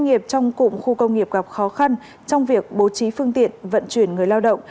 nghiệp trong cụm khu công nghiệp gặp khó khăn trong việc bố trí phương tiện vận chuyển người lao động